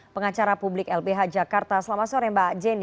pengacara publik lbh jakarta selamat sore mbak jenny